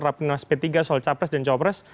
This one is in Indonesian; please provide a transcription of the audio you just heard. rapinan p tiga soal capres dan jawa pres